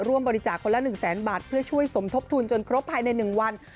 ร่วมบริจาคคนละ๑แสนบาทเพื่อช่วยสมทบทุนจนครบภายใน๑วัน